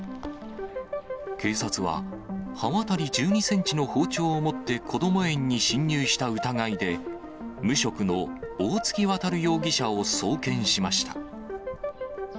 警察は、刃渡り１２センチの包丁を持ってこども園に侵入した疑いで、無職の大槻渉容疑者を送検しました。